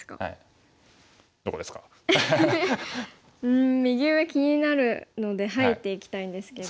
うん右上気になるので入っていきたいんですけど。